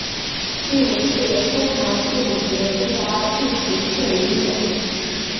第五届中韩电影节最佳剧情片银奖。